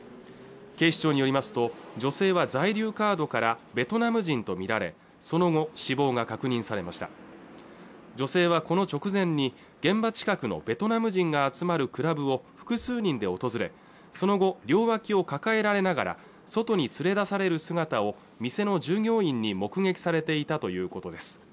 警視庁によりますと女性は在留カードからベトナム人と見られその後死亡が確認されました女性はこの直前に現場近くのベトナム人が集まるクラブを複数人で訪れその後両脇を抱えられながら外に連れ出される姿を店の従業員に目撃されていたということです